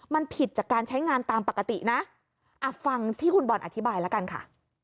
มันผิดจากการใช้งานตามปกตินะฟังที่คุณบอลอธิบายแล้วกันค่ะ